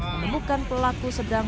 menemukan pelaku sedang